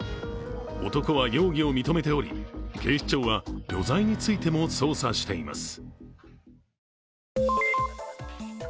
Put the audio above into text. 男は容疑を認めており警視庁は余罪についても捜査しています。